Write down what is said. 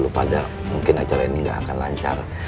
lupa dah mungkin acara ini gak akan lancar